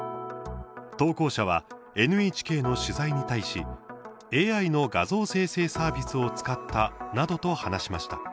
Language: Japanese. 投稿者はＮＨＫの取材に対しＡＩの画像生成サービスを使ったなどと話しました。